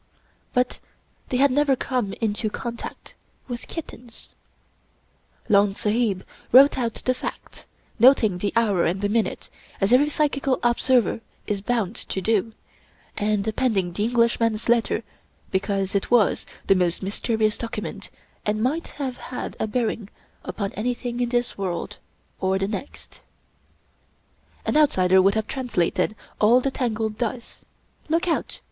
But they had never come into con tact with kittens. Lone Sahib wrote out the facts, noting the hour and the minute, as every psychical observer is bound to do, and appending the Englishman's letter be cause it was the most mysterious document and might have had a bearing upon anything in this world or the next An 22 Rudyard Kipling outsider would have translated all the tangle thus :" Look out!